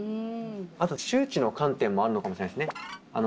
あと周知の観点もあるのかもしれないですね。